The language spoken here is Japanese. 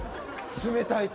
冷たい手。